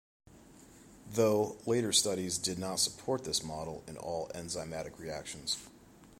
Though, later studies did not support this model in all enzymatic reactions.